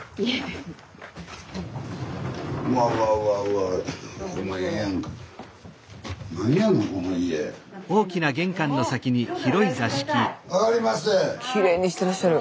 スタジオきれいにしてらっしゃる。